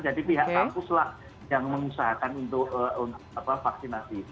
jadi pihak kampus lah yang mengusahakan untuk vaksinasi